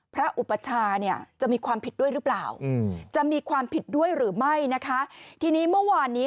อุปชาเนี่ยจะมีความผิดด้วยหรือเปล่าจะมีความผิดด้วยหรือไม่นะคะทีนี้เมื่อวานนี้